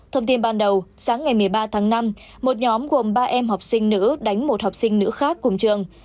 thông tin ban đầu sáng ngày một mươi ba tháng năm một nhóm gồm ba em học sinh nữ đánh một học sinh nữ khác cùng trường